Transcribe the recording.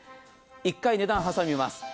１回、値段挟みます。